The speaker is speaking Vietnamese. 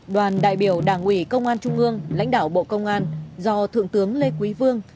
đoàn đại biểu đảng ủy công an trung ương lãnh đạo bộ công an do thượng tướng lê quý vương